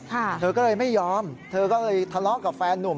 เธอก็เลยไม่ยอมเธอก็เลยทะเลาะกับแฟนนุ่ม